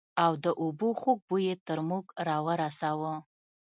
او د اوبو خوږ بوى يې تر موږ رارساوه.